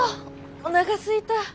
おながすいた。